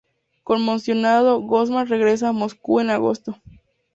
Conmocionado, Grossman regresa a Moscú en agosto.